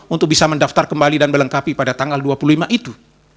untuk bisa mendaftar kembali dan melengkapi pada tanggal dua puluh lima itu